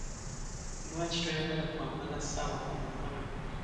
Lwaki toyagala kwambala ssaawa ku mukono?